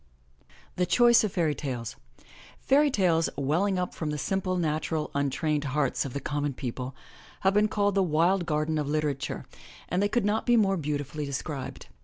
THE CHOICE OF FAIRY TALES ^AIRY tales, welling up from the simple, nat ural, untrained hearts of the common people, have been called the wild garden of literature and they could not be more beautifully des cribed.